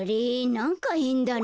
なんかへんだな。